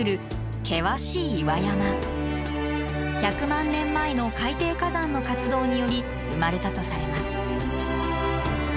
１００万年前の海底火山の活動により生まれたとされます。